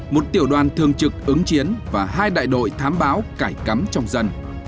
một tiểu đoàn thường trực ứng chiến và hai đại đội thám báo cải cắm trong dân